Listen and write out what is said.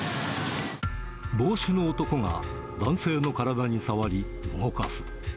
帽子の男が、男性の体に触り動かす。